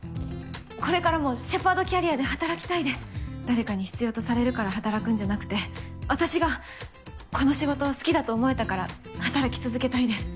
これからもシェパードキャリ誰かに必要とされるから働くんじゃなくて私がこの仕事を好きだと思えたから働き続けたいです。